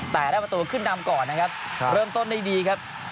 แต่ได้ประตูขึ้นนำก่อนนะครับเริ่มต้นได้ดีครับ